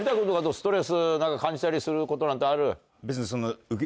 ストレス感じたりすることなんてある？